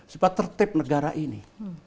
supaya tertip negara ini